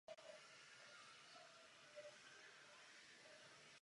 V hraní na harmoniku byl samouk.